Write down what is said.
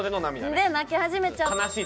で泣き始めちゃって。